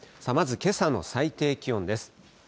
まずけさの最低気温です。